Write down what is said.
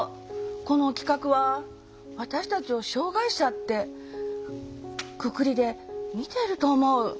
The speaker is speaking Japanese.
この企画は私たちを障害者ってくくりで見てると思う。